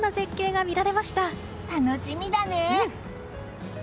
楽しみだね！